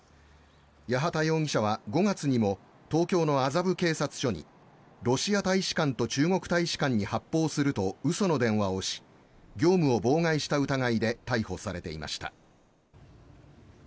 八幡容疑者は５月にも東京の麻布警察署にロシア大使館と中国大使館に発砲すると嘘の電話をし業務を妨害した疑いで逮捕されていました。